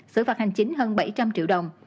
xử phạt hành chính hơn bảy trăm linh triệu đồng